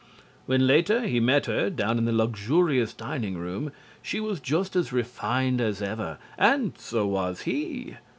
When later he met her down in the luxurious dining room she was just as refined as ever. And so was he.